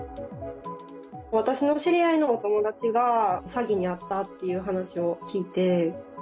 私の知り合いのお友達が詐欺に遭ったっていう話を聞いて。